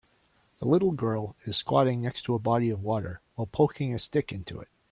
A little girl is squatting next to a body of water while poking a stick into it.